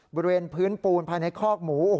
บริเวณพื้นปูนภายในคอกหมู